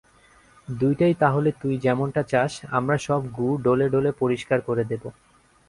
দুইটাই তাহলে তুই যেমনটা চাস, আমরা সব গু ডলে ডলে পরিষ্কার করে দেব।